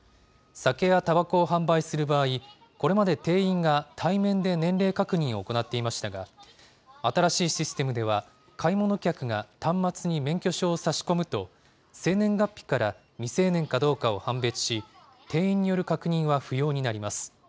酒やたばこを販売する場合、これまで店員が対面で年齢確認を行っていましたが、新しいシステムでは、買い物客が端末に免許証を差し込むと、生年月日から、未成年かどうかを判別し、店員による確認は不要になります。